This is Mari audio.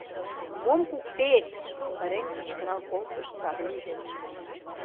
Мом куктет? — сырен кычкырал колтыш Савли.